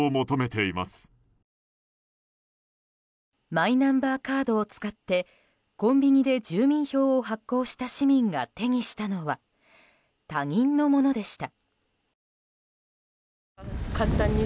マイナンバーカードを使ってコンビニで住民票を発行した市民が手にしたのは他人のものでした。